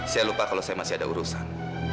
saya lupa kalau saya masih ada urusan